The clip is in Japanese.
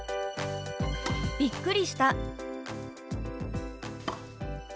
「びっくりした」。